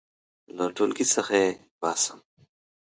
• له ټولګي څخه یې باسم.